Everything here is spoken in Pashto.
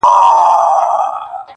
لکه برېښنا هسي د ژوند پر مزار وځلېده!